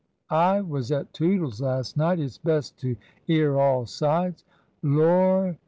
"I was at Tootle's last night. It's best to 'ear all sides. Lor'